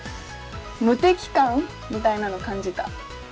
無敵感みたいなの感じた。